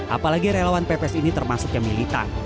apalagi relawan pps ini termasuk yang militan